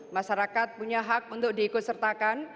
masyarakat punya hak untuk diikut sertakan